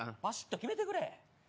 バシッと決めてくれ。